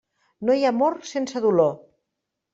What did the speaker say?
No hi ha amor sense dolor.